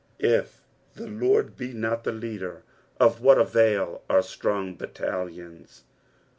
It the Lord be not the leader, of what avail are strong battalions?